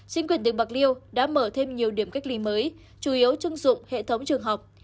chính quyền tỉnh bạc liêu đã mở thêm nhiều điểm cách ly mới chủ yếu chưng dụng hệ thống trường học